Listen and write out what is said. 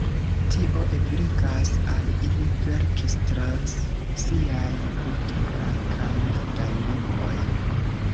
Tio ebligas al ili verkis trans siaj kulturaj kaj landaj limoj.